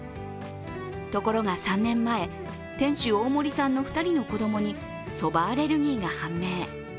ところが３年前、店主・大森さんの２人の子供にそばアレルギーが判明。